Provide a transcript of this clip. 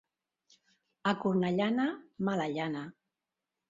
A Cornellana, mala llana.